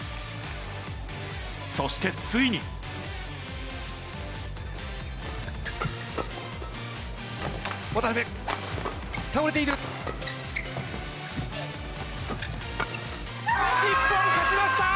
そして、ついに。日本、勝ちました！